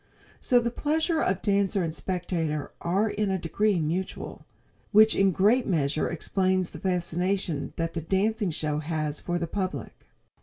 So the pleasure of dancer and spectator are in a degree mutual, which in great measure explains the fascination that the dancing show has for the public.